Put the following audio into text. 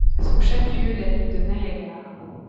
Son chef-lieu est la ville de Nayagarh.